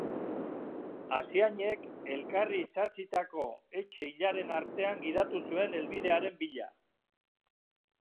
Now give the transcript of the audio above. Asiainek elkarri itsatsitako etxe ilaren artean gidatu zuen helbidearen bila.